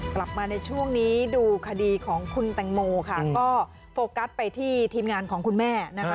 กลับมาในช่วงนี้ดูคดีของคุณแตงโมค่ะก็โฟกัสไปที่ทีมงานของคุณแม่นะคะ